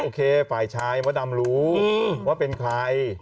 โอเคฝ่ายชายฮดเมย์รู้ว่าเป็นใคร